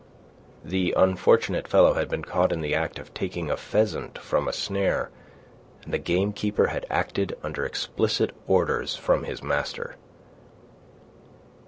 The unfortunate fellow had been caught in the act of taking a pheasant from a snare, and the gamekeeper had acted under explicit orders from his master.